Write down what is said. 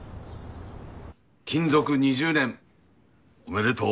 勤続２０年おめでとう。